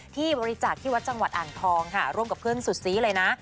ที่บริจาคที่วัดจังหวัดอ่างทองค่ะร่วมกับเพื่อนสุดซีเลยนะ